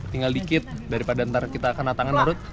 tinggal sedikit daripada nanti kita kena tangan narut